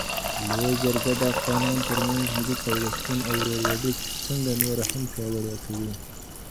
لویه جرګه د افغانانو ترمنځ ملي پیوستون او ورورولي څنګه نوره هم پیاوړي کوي؟